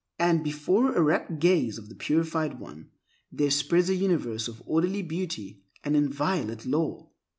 And before the rapt gaze of the purified one there spreads a universe of orderly beauty and inviolate law.